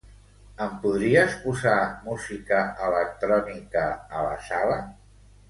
Em podries posar música electrònica a la sala?